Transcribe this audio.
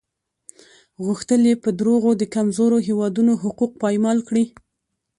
غوښتل یې په دروغو د کمزورو هېوادونو حقوق پایمال کړي.